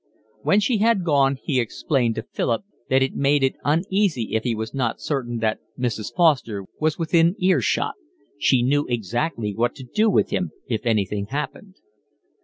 When she had gone he explained to Philip that it made him uneasy if he was not certain that Mrs. Foster was within earshot; she knew exactly what to do with him if anything happened.